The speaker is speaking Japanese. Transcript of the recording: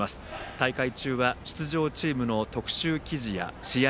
大会中は出場チームの特集記事や試合